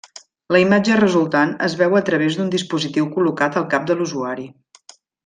La imatge resultant es veu a través d'un dispositiu col·locat al cap de l'usuari.